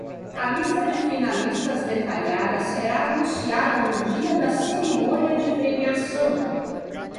A lista de finalistas detalhada será anunciada no dia da cerimônia de premiação.